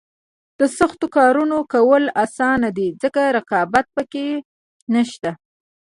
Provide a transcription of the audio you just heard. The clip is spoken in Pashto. د سختو کارونو کول اسانه دي ځکه رقابت پکې نشته.